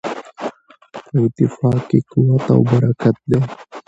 په اتفاق کې قوت او برکت دی.